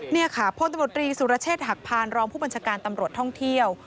เนี่ยค่ะโพธิบริสุรเชษฐ์หักพานรองผู้บัญชาการตำรวจท่องเที่ยว